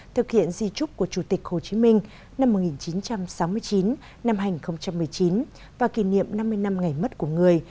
thực hiện di trúc của chủ tịch hồ chí minh năm một nghìn chín trăm sáu mươi chín hai nghìn một mươi chín và kỷ niệm năm mươi năm ngày mất của người